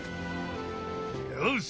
よし！